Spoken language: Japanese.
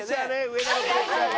植田のプレッシャーで。